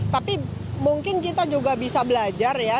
tapi mungkin kita juga bisa belajar ya